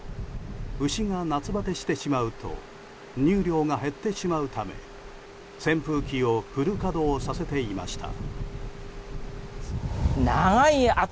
牛が夏バテしてしまうと乳量が減ってしまうため扇風機をフル稼働させていました。